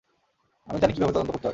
আমি জানি কিভাবে তদন্ত করতে হয়।